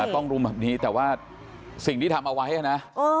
ต้องรุมแบบนี้แต่ว่าสิ่งที่ทำเอาไว้นะ